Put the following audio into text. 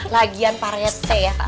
lagian pak rete